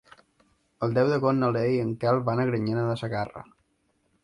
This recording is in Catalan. El deu d'agost na Lea i en Quel van a Granyena de Segarra.